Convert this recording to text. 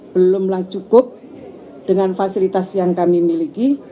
belumlah cukup dengan fasilitas yang kami miliki